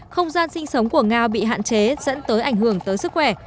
không gian sinh sống của ngao bị hạn chế dẫn tới ảnh hưởng tới sức khỏe